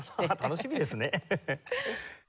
楽しみですね。